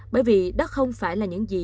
bởi vì đó không phải là những gì